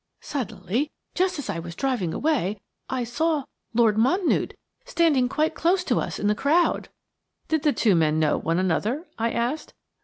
Suddenly, just as I was driving away, I saw Lord Mountnewte standing quite close to us in the crowd." "Did the two men know one another?" I asked.